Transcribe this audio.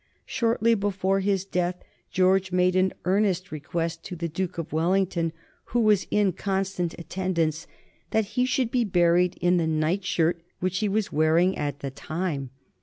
Shortly before his death George made an earnest request to the Duke of Wellington, who was in constant attendance, that he should be buried in the night shirt which he was wearing at the time.